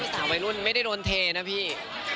ถ้าไปรุ่นไม่ได้โดนเทนะพี่